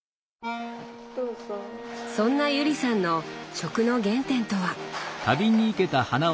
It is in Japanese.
そんな友里さんの食の原点とは。